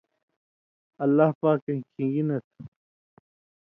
اللہ پاکَیں کھِن٘گی نہ تُھو۔